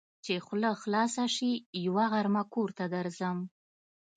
چې خوله خلاصه شي؛ يوه غرمه کور ته درځم.